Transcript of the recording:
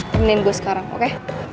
temenin gue sekarang oke